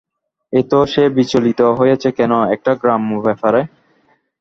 এত সে বিচলিত হইয়াছে কেন একটা গ্রাম্য ব্যাপারে?